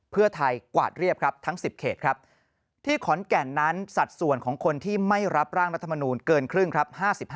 เพื่อไทยกวาดเรียบครับทั้ง๑๐เขตครับที่ขอนแก่นนั้นสัดส่วนของคนที่ไม่รับร่างรัฐมนูลเกินครึ่งครับ